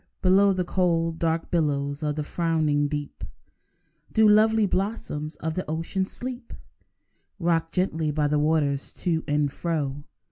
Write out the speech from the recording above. Below The cold, dark billows of the frowning deep Do lovely blossoms of the ocean sleep, Rocked gently by the waters to and fro.